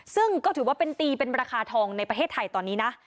ซึ่งก็ถือว่าเป็นตีเป็นราคาทองในประเทศไทยตอนนี้นะ